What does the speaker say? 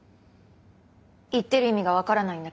言ってる意味が分からないんだけど。